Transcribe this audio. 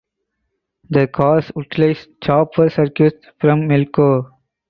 The cars utilized chopper circuits from Melco.